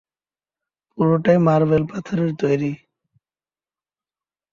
পুরোটাই মার্বেল পাথরের তৈরি।